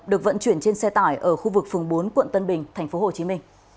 được vận chuyển trên xe tải ở khu vực phường bốn quận tân bình tp hcm